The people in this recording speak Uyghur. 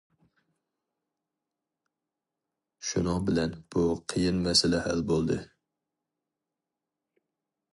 شۇنىڭ بىلەن بۇ قىيىن مەسىلە ھەل بولدى.